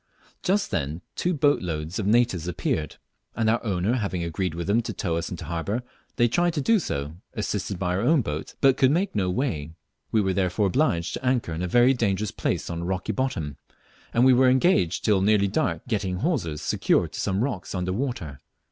Just then two boats load of natives appeared, and our owner having agreed with them to tow us into harbour, they tried to do so, assisted by our own boat, but could make no way. We were therefore obliged to anchor in a very dangerous place on a rocky bottom, and we were engaged till nearly dark getting hawsers secured to some rocks under water.